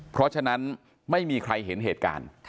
เพราะฉะนั้นไม่มีใครเห็นเหตุการณ์